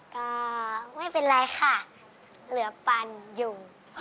ก็ไม่เป็นไรค่ะเหลือปันอยู่